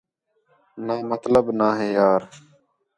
نہ مطلب نہ ہے یار